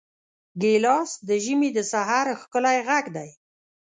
ګیلاس د ژمي د سحر ښکلی غږ دی.